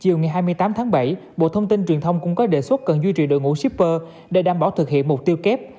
chiều ngày hai mươi tám tháng bảy bộ thông tin truyền thông cũng có đề xuất cần duy trì đội ngũ shipper để đảm bảo thực hiện mục tiêu kép